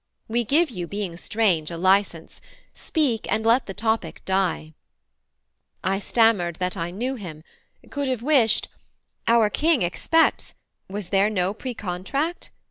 we give you, being strange, A license: speak, and let the topic die.' I stammered that I knew him could have wished 'Our king expects was there no precontract?